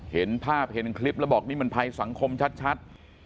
เห็นภาพเห็นคลิปแล้วบอกนี่มันภัยสังคมชัด